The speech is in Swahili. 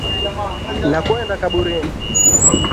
nakwenda kaburini